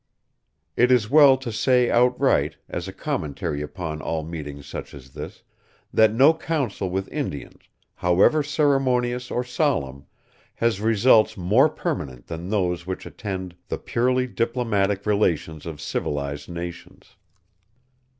It is well to say outright, as a commentary upon all meetings such as this, that no council with Indians, however ceremonious or solemn, has results more permanent than those which attend the purely diplomatic relations of civilized nations.